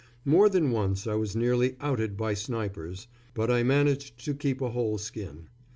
More than once I was nearly "outed" by snipers; but I managed to keep a whole skin.